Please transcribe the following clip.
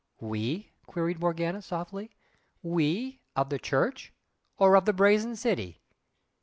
"We?" queried Morgana, softly "WE of the Church? or of the Brazen City?"